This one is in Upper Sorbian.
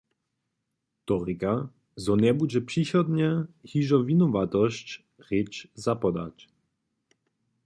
To rěka, zo njebudźe přichodnje hižo winowatosć, rěč zapodać.